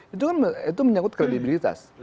itu kan menyangkut kredibilitas